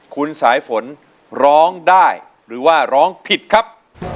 คุณสายฝนร้องได้หรือว่าร้องผิดครับ